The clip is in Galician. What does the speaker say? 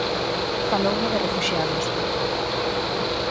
Faloume de refuxiados.